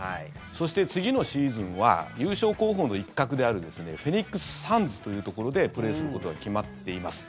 そして、次のシーズンは優勝候補の一角であるフェニックス・サンズというところでプレーすることが決まっています。